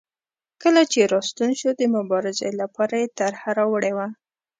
کله چې راستون شو د مبارزې لپاره یې طرحه راوړې وه.